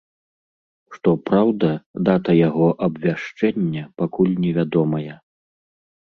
Што праўда, дата яго абвяшчэння пакуль невядомая.